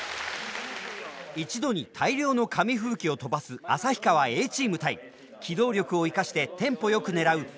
一度に大量の紙吹雪を飛ばす旭川Ａチーム対機動力を生かしてテンポよく狙う函館Ｂチーム。